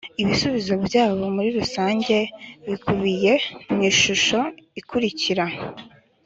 ibisubizo byabo muri rusange bikubiye mu ishusho ikurikira